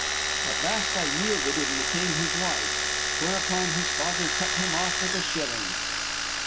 At last I yielded and became his wife, whereupon his father cut him off with a shilling.